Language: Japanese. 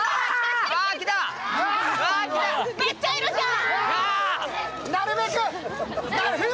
めっちゃいるじゃん！